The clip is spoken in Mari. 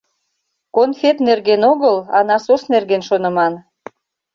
— Конфет нерген огыл, а насос нерген шоныман...»